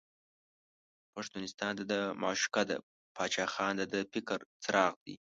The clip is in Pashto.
پښتونستان دده معشوقه ده، باچا خان دده د فکر څراغ دی.